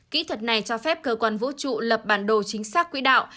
kỹ thuật này cho phép cơ quan vũ trụ lập bản đồ chính xác quỹ đạo